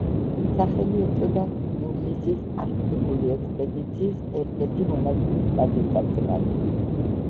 სახელი ეწოდა ინგლისის არქტიკული ექსპედიციის ერთ-ერთი მონაწილის პატივსაცემად.